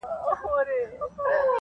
له دښتونو خالي لاس نه وو راغلی -